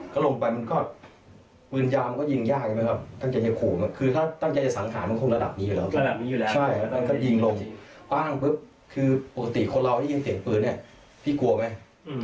คือปกติคนร้ายที่ยิงเสียงปืนพี่กลัวไหม